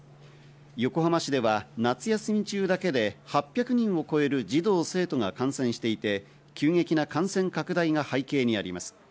横浜市では夏休み中だけで８００人を超える児童・生徒が感染していて急激な感染拡大が背景にあります。